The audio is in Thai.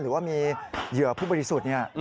หรือว่ามีเหยื่อพฤติสุดนี่